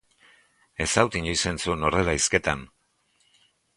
Ez haut inoiz entzun horrela hizketan.